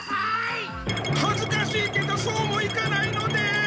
はずかしいけどそうもいかないのです。